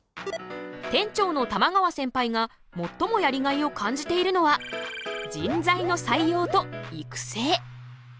店長の玉川センパイが最もやりがいを感じているのは人材の採用と育成。